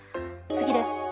次です。